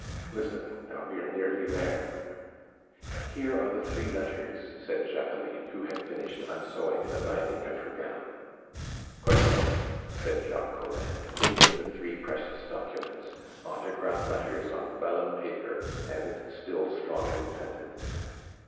Listen, now we are nearly there " "Here are the three letters," said Jacqueline, who had finished unsewing the lining of her gown. "Quite right," said Jacques Collin, taking the three precious documents autograph letters on vellum paper, and still strongly scented.